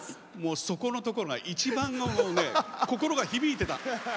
そこのところが一番ね、心が響いてた。